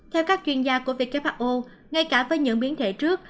theo các chuyên gia của who ngay cả với những biến thể trước